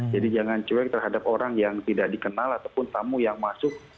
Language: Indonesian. jadi jangan cuek terhadap orang yang tidak dikenal ataupun tamu yang masuk